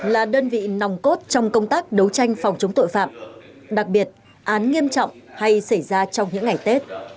là đơn vị nòng cốt trong công tác đấu tranh phòng chống tội phạm đặc biệt án nghiêm trọng hay xảy ra trong những ngày tết